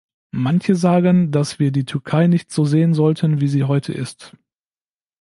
Manche sagen, dass wir die Türkei nicht so sehen sollten, wie sie heute ist.